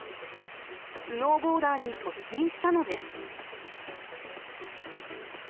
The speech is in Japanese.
スノーボーダーに突進したのです。